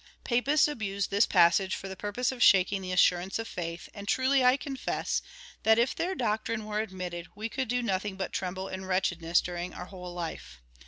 Papists abuse tliis passage for the purpose of shaking the assurance of faith, and truly, I confess, that if their doctrine were admitted, we coidd do nothing but tremble in wretch edness during our whole life.